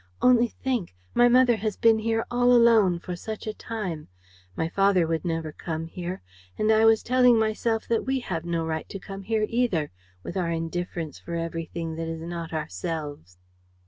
Only think! My mother has been here all alone for such a time! My father would never come here; and I was telling myself that we have no right to come here either, with our indifference for everything that is not ourselves."